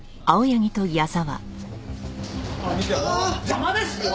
邪魔ですよ！